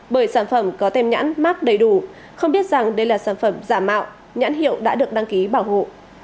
bởi sản phẩm có tem nhãn mát đầy đủ không biết rằng đây là sản phẩm giả mạo nhãn hiệu đã được đăng ký bảo hộ